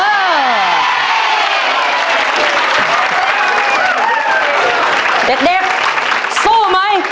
เด็กสู้มั้ย